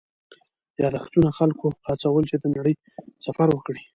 یادښتونه خلکو هڅول چې د نړۍ سفر وکړي.